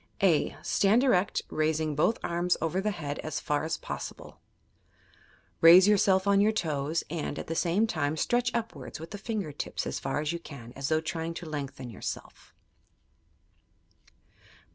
(a) Stand erect, raising both arms over the head as far as possible. Raise yourself on your toes and, at the same time, stretch upwards with the finger tips as far as you can, as though trying to lengthen yourself.